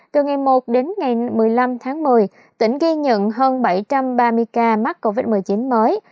từ ngày một đến ngày một mươi năm tháng một mươi tỉnh ghi nhận hơn bảy trăm ba mươi ca mắc covid một mươi chín mới